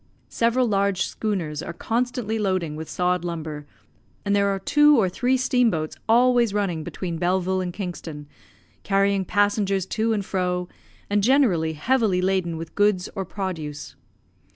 Several large schooners are constantly loading with sawed lumber, and there are two or three steamboats always running between Belleville and Kingston, carrying passengers to and fro, and generally heavily laden with goods or produce.